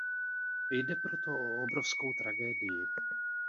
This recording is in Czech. Jde proto o obrovskou tragédii.